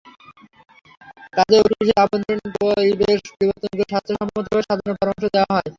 কাজেই অফিসের অভ্যন্তরীণ পরিবেশ পরিবর্তন করে স্বাস্থ্যসম্মতভাবে সাজানোর পরামর্শ দেওয়া হয়।